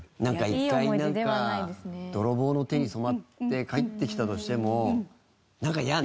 一回泥棒の手に染まって返ってきたとしてもなんか嫌ね。